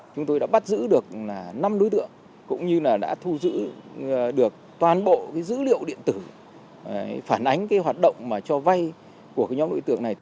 chúng tôi đã bắt giữ được năm đối tượng cũng như là đã thu giữ được toàn bộ dữ liệu điện tử phản ánh cái hoạt động cho vay của cái nhóm đối tượng này